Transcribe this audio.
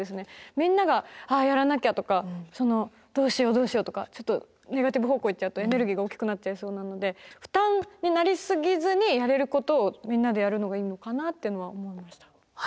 みんなが「ああやらなきゃ」とか「どうしようどうしよう」とかちょっとネガティブ方向へ行っちゃうとエネルギーが大きくなっちゃいそうなので負担になりすぎずにやれることをみんなでやるのがいいのかなっていうのは思いました。